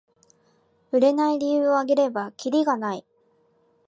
売れない理由をあげればキリがない